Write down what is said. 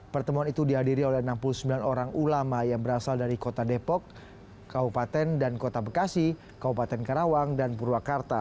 pertemuan itu dihadiri oleh enam puluh sembilan orang ulama yang berasal dari kota depok kabupaten dan kota bekasi kabupaten karawang dan purwakarta